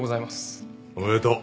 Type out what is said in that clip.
おめでとう。